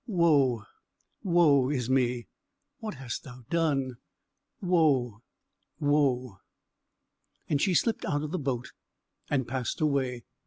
Woe, woe is me! what hast thou done? woe, woe!" And she slipped out of the boat and passed away.